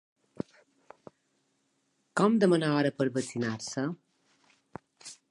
Com demanar hora per vaccinar-se?